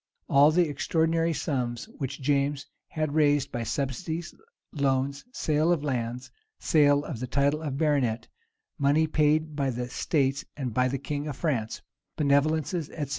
[*] All the extraordinary sums which James had raised by subsidies, loans, sale of lands, sale of the title of baronet, money paid by the states and by the king of France, benevolences, etc.